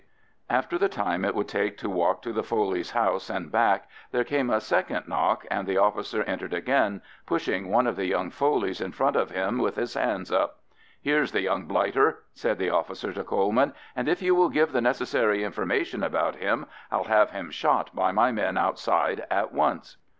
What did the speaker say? After the time it would take to walk to the Foleys' house and back there came a second knock, and the officer entered again, pushing one of the young Foleys in front of him with his hands up. "Here's the young blighter," said the officer to Coleman, "and if you will give the necessary information about him, I'll have him shot by my men outside at once."